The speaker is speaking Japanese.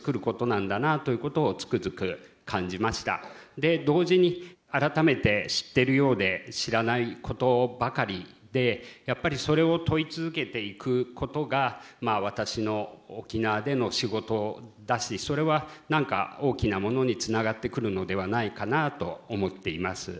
で同時に改めて知ってるようで知らないことばかりでやっぱりそれを問い続けていくことが私の沖縄での仕事だしそれは何か大きなものにつながってくるのではないかなと思っています。